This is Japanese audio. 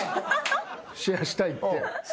シェアしたいって。